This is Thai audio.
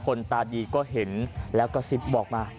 ตาดีก็เห็นแล้วกระซิบบอกมา